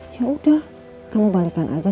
ya udah kamu balikan aja